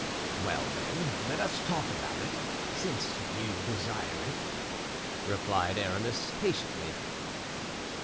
'" "Well, then, let us talk about it, since you desire it," replied Aramis, patiently.